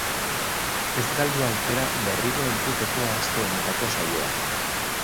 Ez galdu aukera berriro entzuteko aste honetako saioa.